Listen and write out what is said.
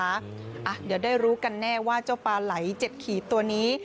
เดี๋ยวได้รู้กันแน่ว่าเจ้าปลาไหล๗ขีดตัวนี้